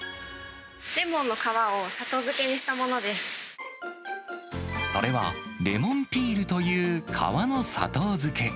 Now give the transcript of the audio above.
レモンの皮を砂糖漬けにしたそれは、レモンピールという皮の砂糖漬け。